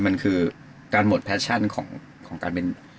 มันคือการหมดแฟชั่นของการเป็น